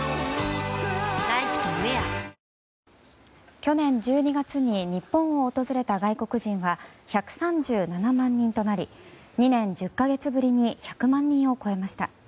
去年１２月に日本を訪れた外国人は１３７万人となり２年１０か月ぶりに１００万人を超えました。